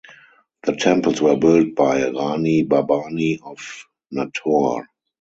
The temples were built by Rani Bhabani of Natore.